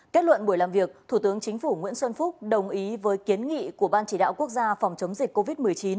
kết luận buổi làm việc thủ tướng chính phủ nguyễn xuân phúc đồng ý với kiến nghị của ban chỉ đạo quốc gia phòng chống dịch covid một mươi chín